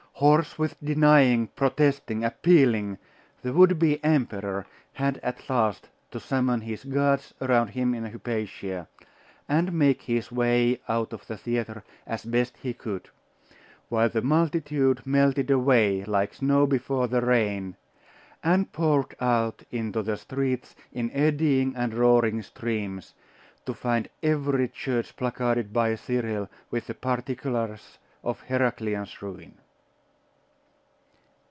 Hoarse with denying, protesting, appealing, the would be emperor had at last to summon his guards around him and Hypatia, and make his way out of the theatre as best he could; while the multitude melted away like snow before the rain, and poured out into the streets in eddying and roaring streams, to find every church placarded by Cyril with the particulars of Heraclian's ruin.